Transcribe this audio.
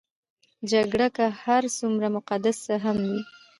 جګړه که هر څومره مقدسه هم وي.